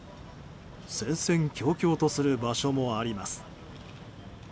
戦々恐々とする場所もあります。